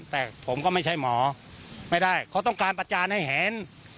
แต่ผมก็ไม่ใช่หมอไม่ได้เขาต้องการประจานให้เห็น